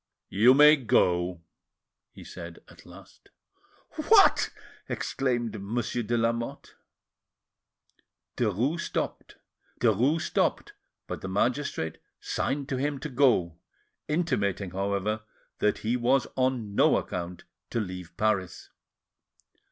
"You may go," he said at last. "What!" exclaimed Monsieur de Lamotte. Derues stopped, but the magistrate signed to him to go, intimating, however, that he was on no account to leave Paris.